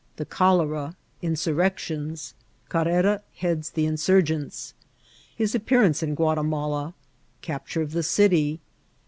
^Tbe Cholera.— In8iinectiona.—</arrera heads the Insorgents.* Hia Appearance in Onatiuala.— Capture of the Citj.